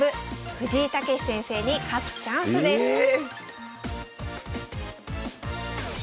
藤井猛先生に勝つチャンスですえ